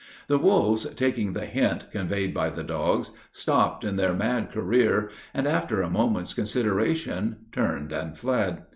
The wolves, taking the hint conveyed by the dogs, stopped in their mad career, and, after a moment's consideration, turned and fled.